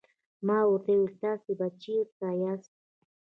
ما ورته وویل: تاسې به چیرې یاست؟